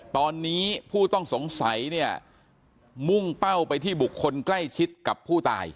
ตอนนี้ผู้ต้องสงสัยเนี่ยมุ่งเป้าไปที่บุคคลใกล้ชิดกับผู้ตาย